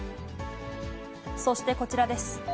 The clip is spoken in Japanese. そしてこちらです。